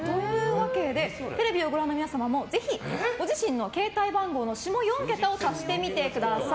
テレビをご覧の皆さんもぜひご自身の携帯番号の下４桁を足してみてください。